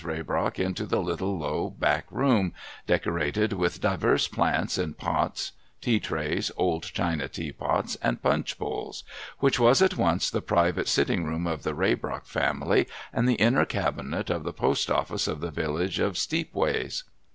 Raybrock into the little, low back room,— decorated with divers plants in pots, tea trays, old china teapots, and punch bowls, — which was at once the private sitting room of the Raybrock family and the inner cabinet of the post office of the village of Steepways.